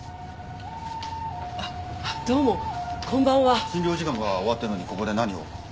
あっどうもこんばんは診療時間が終わってるのにここで何を？